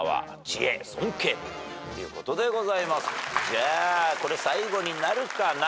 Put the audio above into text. じゃあこれ最後になるかな。